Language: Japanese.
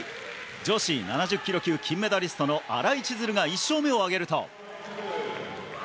女子７０ｋｇ級金メダリストの新井千鶴が１勝目を挙げると。